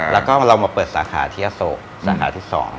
แล้วก็เรามาเปิดสาขาที่อโศกสาขาที่๒